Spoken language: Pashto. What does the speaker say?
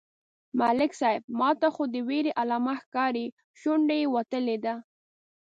_ملک صيب! ماته خو د وېرې علامه ښکاري، شونډه يې وتلې ده.